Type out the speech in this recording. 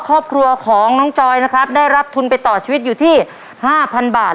ครอบครัวของน้องจอยนะครับได้รับทุนไปต่อชีวิตอยู่ที่๕๐๐บาท